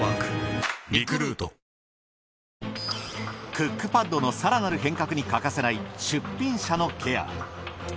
クックパッドの更なる変革に欠かせない出品者のケア。